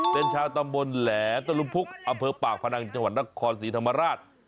เป็นชาวตำบลแหลตะลุมพุกอำเภอปากพนังจังหวัดนครศรีธรรมราช